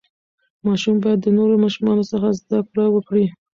ماشوم باید د نورو ماشومانو څخه زده کړه وکړي.